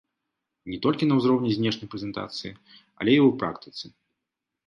Не толькі на ўзроўні знешняй прэзентацыі, але і ў практыцы.